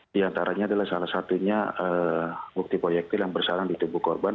di antaranya adalah salah satunya bukti proyektil yang bersarang di tubuh korban